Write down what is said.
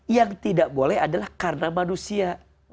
yang tidak boleh adalah karena manusia